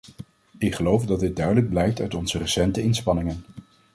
Ik geloof dat dit duidelijk blijkt uit onze recente inspanningen.